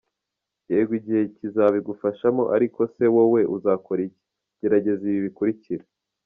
Yego igihe kizabigufashamo, ariko se wowe uzakora iki? Gerageza ibi bikurikira:.